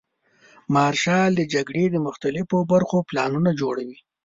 مارشال د جګړې د مختلفو برخو پلانونه جوړوي.